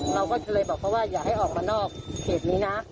เราก็เลยบอกเขาว่าอย่าให้ออกมานอกเขตนี้นะ